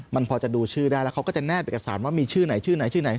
มันพอจะดูชื่อได้แล้วเขาก็จะแน่เอกสารว่ามีชื่อไหนชื่อไหนชื่อไหน